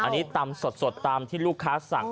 อันนี้ตำสดตามที่ลูกค้าสั่ง